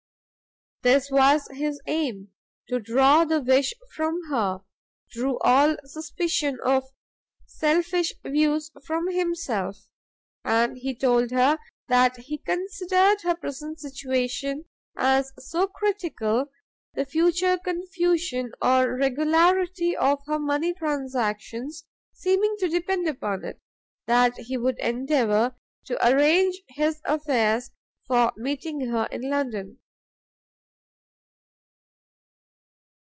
This was his aim: to draw the wish from her, drew all suspicion of selfish views from himself: and he told her that he considered her present situation as so critical, the future confusion or regularity of her money transactions seeming to depend upon it, that he would endeavour to arrange his affairs for meeting her in London.